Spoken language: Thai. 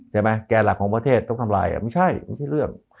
แก่หลักของประเทศต้องทำลายไม่ใช่ไม่ใช่เรื่อง